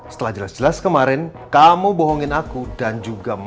setelah jelas jelas kemarin kamu bohongin aku dan juga mau